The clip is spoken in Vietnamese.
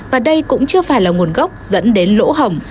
và đây cũng chưa phải là nguồn gốc dẫn đến lỗ hỏng